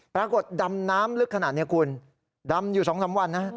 ดำน้ำลึกขนาดนี้คุณดำอยู่๒๓วันนะ